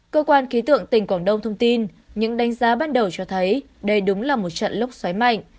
cơ quan ký tượng tỉnh quảng đông thông tin những đánh giá ban đầu cho thấy đây đúng là một trận lốc xoáy mạnh